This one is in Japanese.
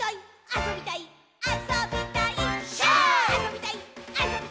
あそびたいっ！！」